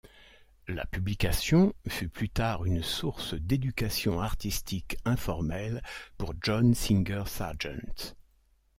La publication fut plus tard une source d'éducation artistique informelle pour John Singer Sargent.